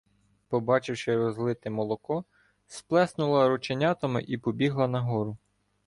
Побачивши розлите молоко, сплеснула рученятами і побігла нагору.